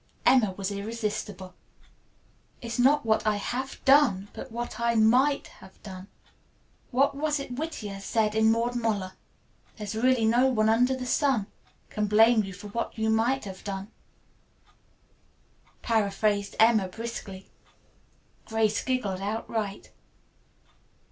Emma was irresistible. "It is not what I have done, but what I might have done. What was it Whittier said in 'Maud Muller'?" "There's really no one under the sun Can blame you for what you might have done," paraphrased Emma briskly. Grace giggled outright.